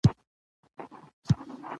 دا اړیکه د جاذبې قوې په پایله کې جوړیږي.